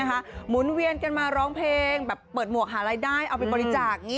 หมุนเวียนกันมาร้องเพลงแบบเปิดหมวกหารายได้เอาไปบริจาค